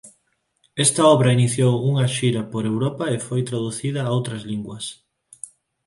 Esta obra iniciou unha xira por Europa e foi traducida a outras linguas.